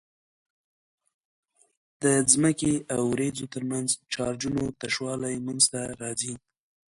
د ځمکې او وريځو ترمنځ چارجونو تشوالی منځته راځي.